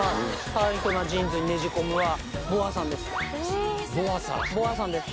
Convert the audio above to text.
「タイトなジーンズにねじ込む」は ＢｏＡ さんです。）